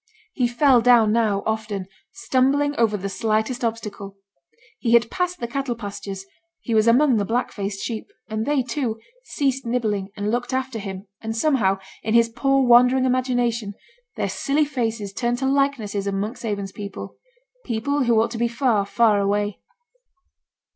He fell down now, often; stumbling over the slightest obstacle. He had passed the cattle pastures; he was among the black faced sheep; and they, too, ceased nibbling, and looked after him, and somehow, in his poor wandering imagination, their silly faces turned to likenesses of Monkshaven people people who ought to be far, far away.